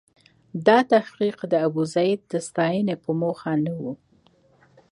دا تحقیق د ابوزید د ستاینې په موخه نه و.